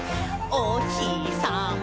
「おひさま